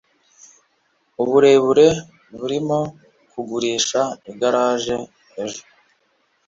Uburebure burimo kugurisha igaraje ejo